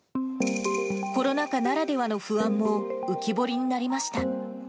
コロナ禍ならではの不安も浮き彫りになりました。